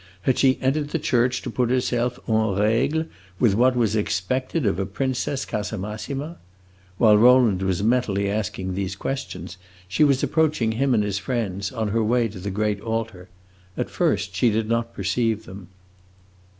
Had she entered the church to put herself en regle with what was expected of a Princess Casamassima? While Rowland was mentally asking these questions she was approaching him and his friends, on her way to the great altar. At first she did not perceive them.